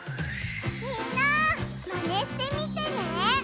みんなマネしてみてね！